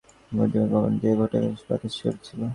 বড় বেঁটি বিধবা, ঘোমটা দিয়া ভুতোকে সে বাতাস করিতেছিল।